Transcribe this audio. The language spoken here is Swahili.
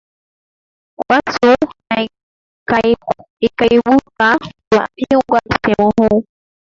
watu na ikaibuka mabingwa msimu huu